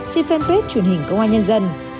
trên fanpage truyền hình công an nhân dân